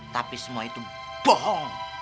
tapi semua itu bohong